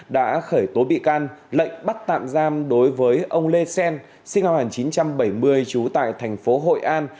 đã khởi tố bị can lệnh bắt tạm giam đối với ông lê sen sinh hoàn chín trăm bảy mươi chú tại thành phố hội an